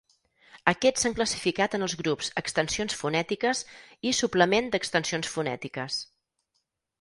Aquests s'han classificat en els grups "Extensions fonètiques" i "Suplement d'extensions fonètiques".